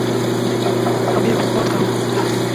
আমি এখন মদ খাবো।